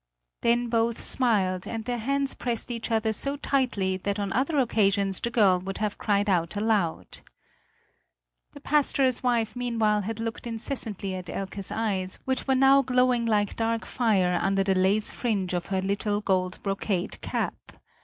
Then both smiled, and their hands pressed each other so tightly that on other occasions the girl would have cried out aloud. The pastor's wife meanwhile had looked incessantly at Elke's eyes, which were now glowing like dark fire under the lace fringe of her little gold brocade cap.